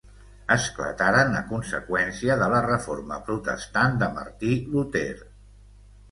Esclataren a conseqüència de la reforma protestant de Martí Luter.